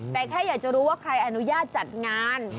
แต่แค่อยากจะรู้ว่าใครอนุญาตจัดงาน